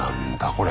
これ。